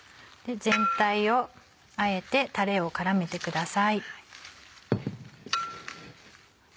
全体をあえてたれを絡めてください。